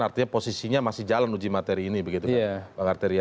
artinya posisinya masih jalan uji materi ini begitu kan bang arteria